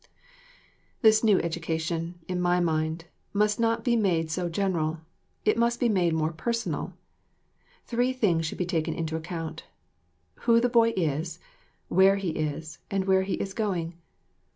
This new education, in my mind, must not be made so general; it must be made more personal. Three things should be taken into account: who the boy is, where he is, and where he is going.